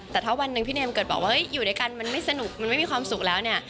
แต่ถ้าวันหนึ่งพี่เมมเกิดบอกว่าอยู่ด้วยกันมันไม่สนุกมันไม่มีความสุขแล้วเนี่ย